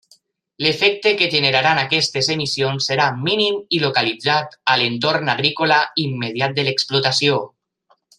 L'efecte que generaran aquestes emissions serà mínim i localitzat a l'entorn agrícola immediat de l'explotació.